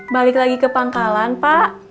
balik lagi ke pangkalan pak